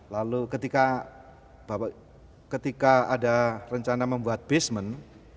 lalu ketika ada rencana membuat basement